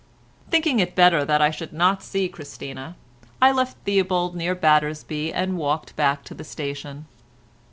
Thinking it better that I should not see Christina, I left Theobald near Battersby and walked back to the station.